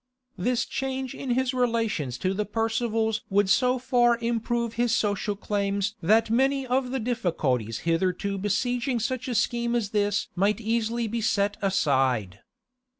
This change in his relations to the Percivals would so far improve his social claims that many of the difficulties hitherto besieging such a scheme as this might easily be set aside.